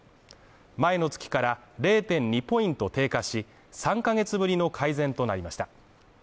前の月から０．２ポイント低下し、３か月ぶりの改善となりました。